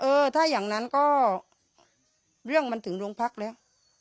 เออถ้าอย่างนั้นก็เรื่องมันถึงโรงพักแล้ว